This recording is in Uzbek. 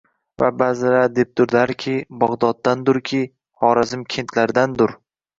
Va baʼzilar debdurlarki, Bagʻdoddandurki, Xorazm kentlaridandur